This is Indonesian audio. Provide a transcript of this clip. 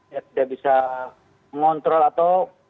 ya tidak bisa mengontrol atau